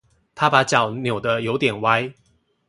他把腳扭得有點歪